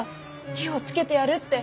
火をつけてやるって。